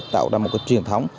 tạo ra một truyền thống